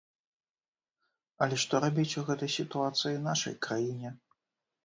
Але што рабіць у гэтай сітуацыі нашай краіне?